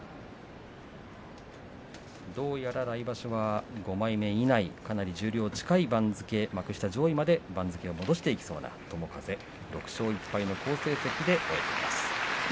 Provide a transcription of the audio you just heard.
どうやら来場所は５枚目以内かなり十両が近い番付幕下上位まで番付を戻してきていきそうな友風です。